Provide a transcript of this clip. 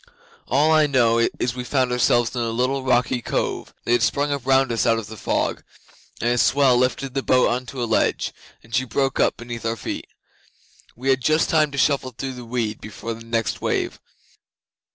All I know is we found ourselves in a little rocky cove that had sprung up round us out of the fog, and a swell lifted the boat on to a ledge, and she broke up beneath our feet. We had just time to shuffle through the weed before the next wave.